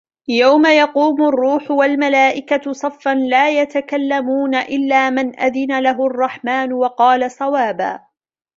يَوْمَ يَقُومُ الرُّوحُ وَالْمَلَائِكَةُ صَفًّا لَا يَتَكَلَّمُونَ إِلَّا مَنْ أَذِنَ لَهُ الرَّحْمَنُ وَقَالَ صَوَابًا